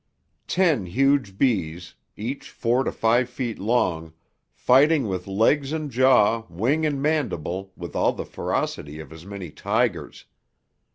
Ten huge bees, each four to five feet long, fighting with legs and jaw, wing and mandible, with all the ferocity of as many tigers.